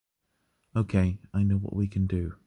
OK, I know what we can do.